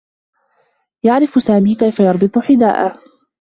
يعرف سامي كيف يربط حذاءه.